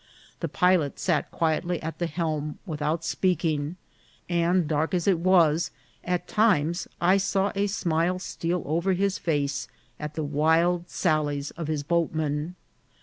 The pilot sat quietly at the helm, without speaking, and dark as it was, at times I saw a smile steal over his face at wild sallies of the boatmen.